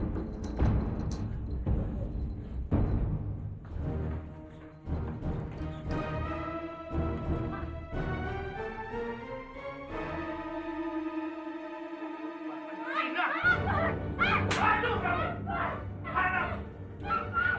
dia juga sewenang wenang sama kamu